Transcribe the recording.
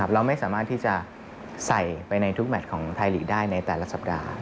เราไม่สามารถที่จะใส่ไปในทุกแมทของไทยลีกได้ในแต่ละสัปดาห์